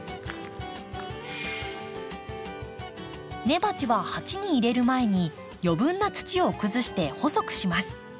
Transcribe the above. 根鉢は鉢に入れる前に余分な土をくずして細くします。